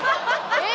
えっ！？